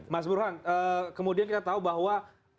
mas burhan kemudian kita tahu bahwa